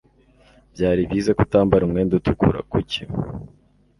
Byari byiza ko utambara umwenda utukura." "Kuki?"